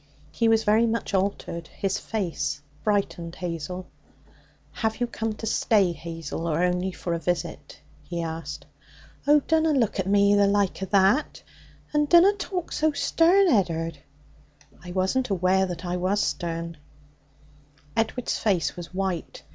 He was very much altered. His face frightened Hazel. 'Have you come to stay, Hazel, or only for a visit?' he asked. 'Oh, dunna look at me the like o' that, and dunna talk so stern, Ed'ard!' 'I wasn't aware that I was stern.' Edward's face was white.